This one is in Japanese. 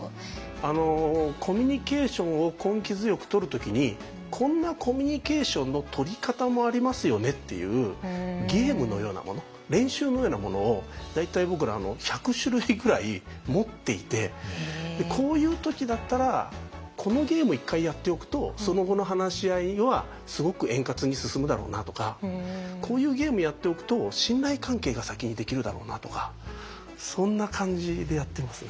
コミュニケーションを根気強くとる時にこんなコミュニケーションのとり方もありますよねっていうゲームのようなもの練習のようなものを大体僕ら１００種類ぐらい持っていてこういう時だったらこのゲーム一回やっておくとその後の話し合いはすごく円滑に進むだろうなとかこういうゲームやっておくと信頼関係が先にできるだろうなとかそんな感じでやってますね。